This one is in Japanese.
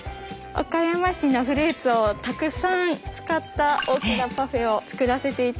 岡山市のフルーツをたくさん使った大きなパフェを作らせて頂きました。